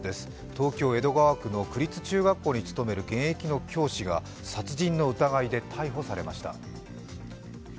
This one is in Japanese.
東京・江戸川区の区立中学校に勤める現役の教師が殺人の疑いで逮捕されました。